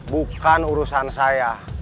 bukan urusan saya